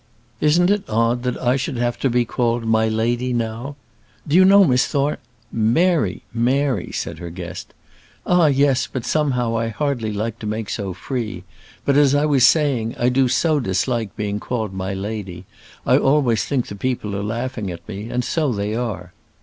Isn't it odd that I should have to be called 'my lady' now? Do you know Miss Thorne " "Mary! Mary!" said her guest. "Ah, yes; but somehow, I hardly like to make so free; but, as I was saying, I do so dislike being called 'my lady:' I always think the people are laughing at me; and so they are."